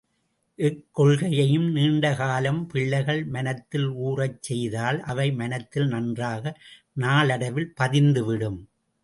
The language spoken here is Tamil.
எக்கொள்கையையும் நீண்ட காலம் பிள்ளைகள் மனத்தில் ஊறச் செய்தால் அவை மனத்தில் நன்றாக நாளடைவில் பதிந்துவிடும்.